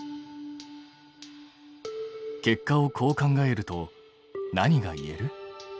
結果をこう考えると何が言える？